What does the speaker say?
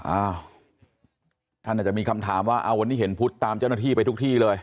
อ้าวท่านอาจจะมีคำถามว่าเอาวันนี้เห็นพุทธตามเจ้าหน้าที่ไปทุกที่เลย